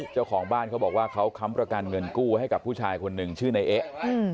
เจ้าของบ้านเขาบอกว่าเขาค้ำประกันเงินกู้ให้กับผู้ชายคนหนึ่งชื่อในเอ๊ะ